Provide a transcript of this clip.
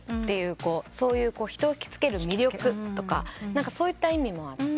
「人を引き付ける魅力」とかそういった意味もあって。